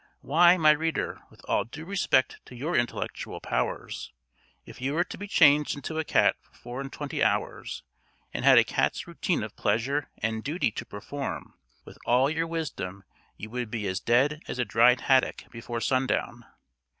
Why, my reader, with all due respect to your intellectual powers, if you were to be changed into a cat for four and twenty hours, and had a cat's routine of pleasure and duty to perform, with all your wisdom you would be as dead as a dried haddock before sun down.